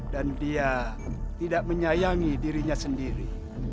dan dia tidak menyayangi dirinya sendiri